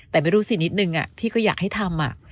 แต่ไม่รู้สินิดนึงพี่ก็อยากให้ทำ